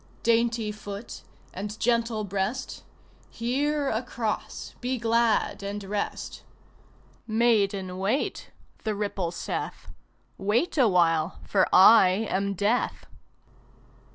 Dainty foot and gentle breast Here, across, be glad and rest. "Maiden, wait," the ripple saith. "Wait awhile, for I am Death!"